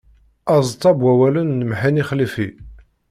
Aẓeṭṭa n wawalen n Mhenni Xalifi.